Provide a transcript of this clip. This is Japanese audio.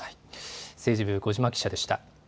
政治部、小嶋記者でした。